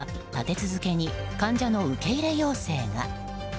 その後も、クリニックには立て続けに患者の受け入れ要請が。